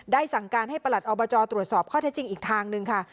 สั่งการให้ประหลัดอบจตรวจสอบข้อเท็จจริงอีกทางหนึ่งค่ะ